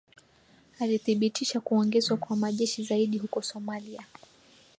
alithibitisha kuongezwa kwa majeshi zaidi huko somali